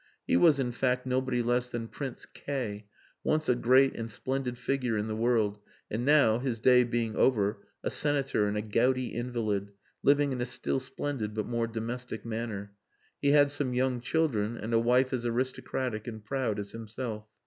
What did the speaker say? He was in fact nobody less than Prince K , once a great and splendid figure in the world and now, his day being over, a Senator and a gouty invalid, living in a still splendid but more domestic manner. He had some young children and a wife as aristocratic and proud as himself.